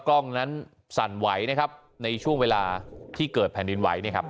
กล้องนั้นสั่นไหวนะครับในช่วงเวลาที่เกิดแผ่นดินไหวเนี่ยครับ